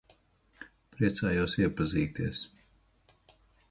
Priecājos iepazīties.